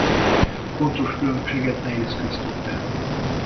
Pontos különbséget nehéz köztük tenni.